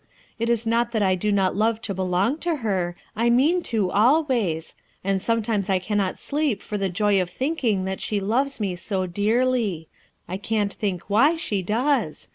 It is not that I do not love to belong to her, I mean to, always ; and sometimes I cannot sleep for the joy of thinking that she 296 RUTH ERSKINE'S SON loves mo so dearly; I can't think why she does.